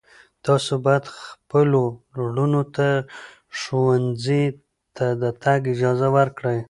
تاسو باید خپلو لوڼو ته ښوونځي ته د تګ اجازه ورکړئ.